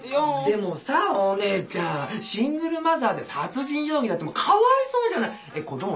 でもさぁお姉ちゃんシングルマザーで殺人容疑なんてかわいそうじゃない子ども